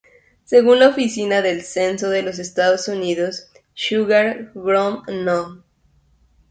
Según la Oficina del Censo de los Estados Unidos, Sugar Grove No.